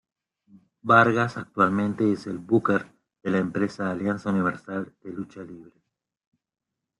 Vargas actualmente es el booker de la empresa Alianza Universal de Lucha Libre.